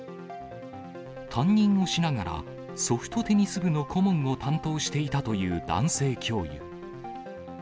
担任をしながら、ソフトテニス部の顧問を担当していたという男性教諭。